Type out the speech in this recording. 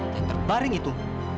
yang berbaring itu